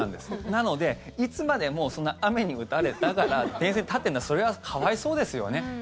なので、いつまでもそんな雨に打たれながら電線に立っているのはそれは可哀想ですよね。